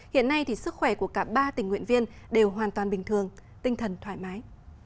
hiện nay thì sức khỏe của cả ba tình nguyện viên đều hoàn toàn bình thường tinh thần thoải mái